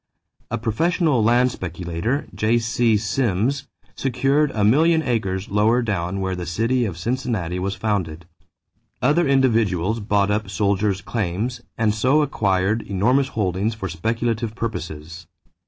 A professional land speculator, J.C. Symmes, secured a million acres lower down where the city of Cincinnati was founded. Other individuals bought up soldiers' claims and so acquired enormous holdings for speculative purposes.